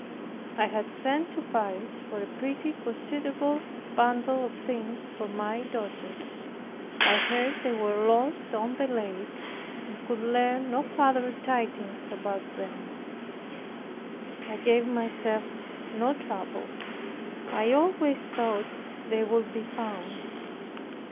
I had sent to Paris for a pretty considerable bundle of things for my daughter. I heard they were lost on the lake, and could learn no further tidings about them. I gave myself no trouble; I always thought they would be found.